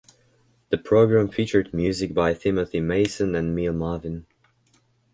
The program featured music by Timothy Mason and Mel Marvin.